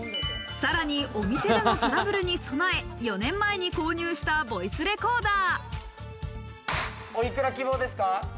さらに、お店でのトラブルに備え４年前に購入したボイスレコーダー。